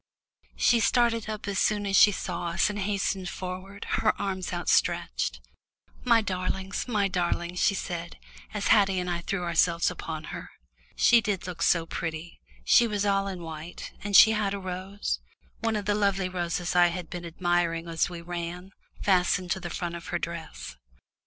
She started up as soon as she saw us and hastened forward, her arms outstretched. "My darlings, my darlings," she said, as Haddie and I threw ourselves upon her. She did look so pretty; she was all in white, and she had a rose one of the lovely roses I had been admiring as we ran fastened to the front of her dress.